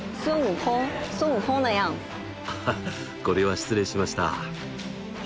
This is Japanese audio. ハハこれは失礼しました。